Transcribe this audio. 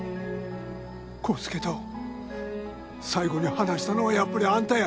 康介と最後に話したのはやっぱりあんたや